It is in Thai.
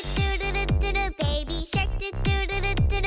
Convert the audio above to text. ตอนนี้คือ